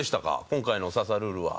今回の『刺さルール！』は。